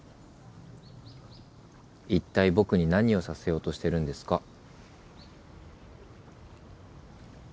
いったい僕に何をさせようとしてるんですか？